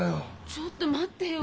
ちょっと待ってよ。